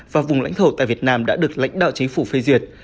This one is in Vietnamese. và vùng lãnh thổ tại việt nam đã được lãnh đạo chính phủ phê duyệt